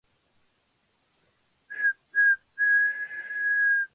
In November these troops captured eighteen women and children from Billy Bowlegs' band.